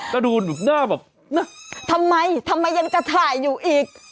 ถ้าดูหน้าแบบทำไมยังจะถ่ายอยู่อีก